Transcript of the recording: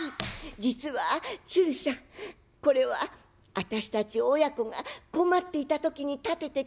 「実は鶴さんこれは私たち親子が困っていた時に建ててくだすった家の実費。